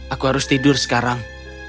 aku harus tidur sekarang